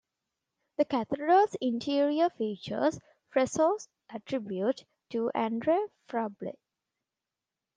The cathedral's interior features frescoes attributed to Andrei Rublev.